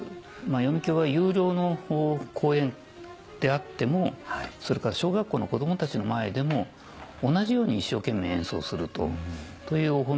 読響は有料の公演であってもそれから小学校の子供たちの前でも同じように一生懸命演奏をするというお褒めの言葉を頂いたことがあって。